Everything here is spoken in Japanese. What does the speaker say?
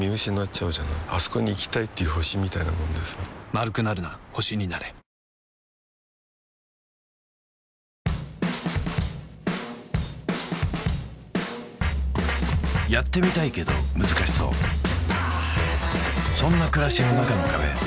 丸くなるな星になれやってみたいけど難しそうそんな暮らしの中の壁